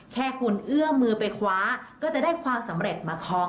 แค่คุณเอื้อมือไปคว้าก็จะได้ความสำเร็จมาคล้อง